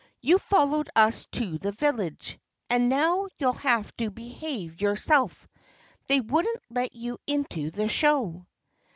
"You followed us to the village. And now you'll have to behave yourself. They wouldn't let you into the show."